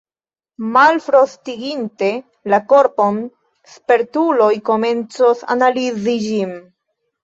Malfrostiginte la korpon, spertuloj komencos analizi ĝin.